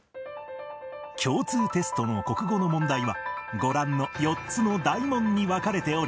共通テストの国語の問題はご覧の４つの大問に分かれており